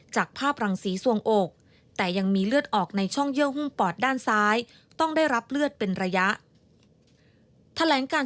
จากภาพรังสีสวงอก